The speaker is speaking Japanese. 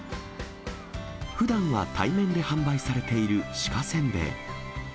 ふだんは対面で販売されている鹿せんべい。